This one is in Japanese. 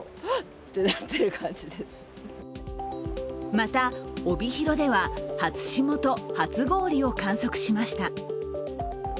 また、帯広では初霜と初氷を観測しました。